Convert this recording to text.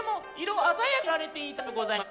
あざやかにぬられていたんでございます。